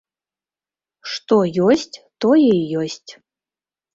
Што ёсць, тое і ёсць.